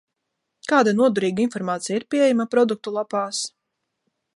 Kāda noderīga informācija ir pieejama produktu lapās?